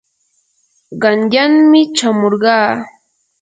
qanyanmi chamurqaa.